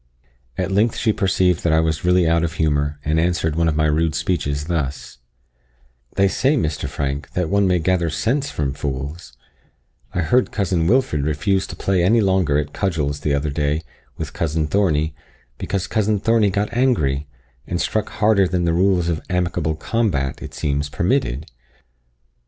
At length she perceived I was really out of humour, and answered one of my rude speeches thus: "They say, Mr. Frank, that one may gather sense from fools I heard cousin Wilfred refuse to play any longer at cudgels the other day with cousin Thornie, because cousin Thornie got angry, and struck harder than the rules of amicable combat, it seems, permitted.